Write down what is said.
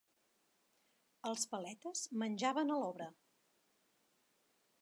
Els paletes menjaven a l'obra.